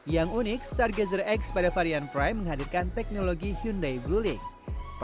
yang unik stargazer x pada varian prime menghadirkan teknologi hyundai blue link